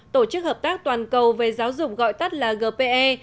tổ chức hợp tác toàn cầu về giáo dục gọi tắt là gpe